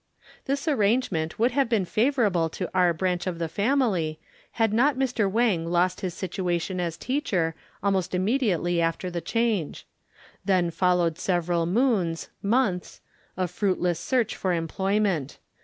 This arrangement would have been favorable to our branch of the family had not Mr. Wang lost his situation as teacher almost immediately after the change. Then followed several moons (months) of fruitless search for employment.